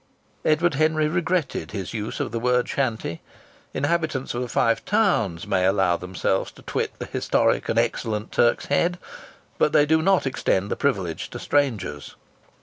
'" Edward Henry regretted his use of the word "shanty." Inhabitants of the Five Towns may allow themselves to twit the historic and excellent Turk's Head, but they do not extend the privilege to strangers.